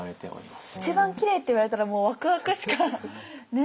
一番きれいって言われたらもうワクワクしかね。